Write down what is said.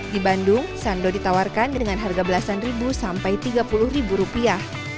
di bandung sando ditawarkan dengan harga belasan ribu sampai tiga puluh rupiah